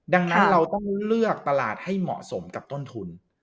ดังนั้นเราต้องเลือกตลาดให้เหมาะสมกับต้นทุน